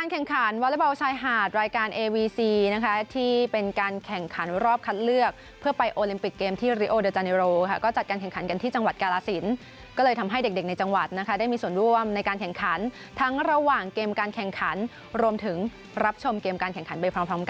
แข่งขันวอเล็กบอลชายหาดรายการเอวีซีนะคะที่เป็นการแข่งขันรอบคัดเลือกเพื่อไปโอลิมปิกเกมที่ริโอเดอร์จาเนโรค่ะก็จัดการแข่งขันกันที่จังหวัดกาลสินก็เลยทำให้เด็กในจังหวัดนะคะได้มีส่วนร่วมในการแข่งขันทั้งระหว่างเกมการแข่งขันรวมถึงรับชมเกมการแข่งขันไปพร้อมกัน